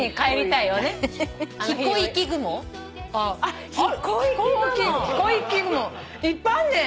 いっぱいあんね。